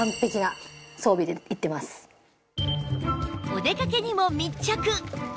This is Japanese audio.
お出かけにも密着！